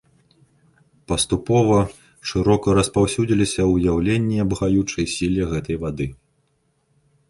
Паступова шырока распаўсюдзіліся ўяўленні аб гаючай сіле гэтай вады.